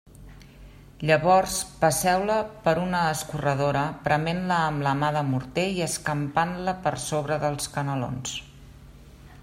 Llavors passeu-la per una escorredora, prement-la amb la mà de morter i escampant-la per sobre els canelons.